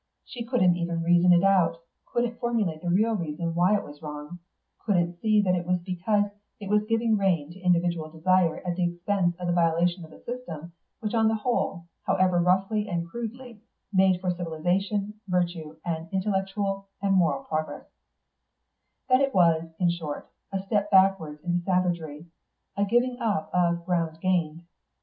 She couldn't even reason it out; couldn't formulate the real reason why it was wrong; couldn't see that it was because it was giving rein to individual desire at the expense of the violation of a system which on the whole, however roughly and crudely, made for civilisation, virtue, and intellectual and moral progress; that it was, in short, a step backwards into savagery, a giving up of ground gained.